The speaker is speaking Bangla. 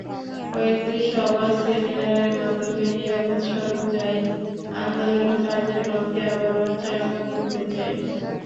কয়েকটি সভা-সেমিনারের মাধ্যমে নিরাপদ সড়ক চাই আন্দোলন কার্যক্রমকে আবারও চাঙা করতে চাই।